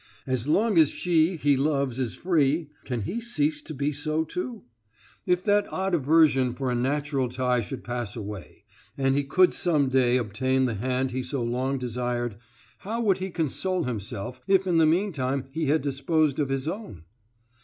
As long as she he loves is free, can he cease to be so too? If that odd aversion for a natural tie should pass away, and he could some day obtain the hand he has so long desired, how would he console himself if in the meantime he had disposed of his own?"